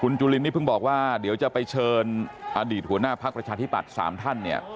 จุลินนี่เพิ่งบอกว่าเดี๋ยวจะไปเชิญอดีตหัวหน้าพักประชาธิบัติ๓ท่านเนี่ย